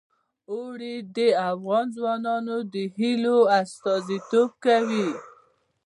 اوړي د افغان ځوانانو د هیلو استازیتوب کوي.